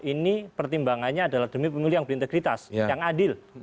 ini pertimbangannya adalah demi pemilihan berintegritas yang adil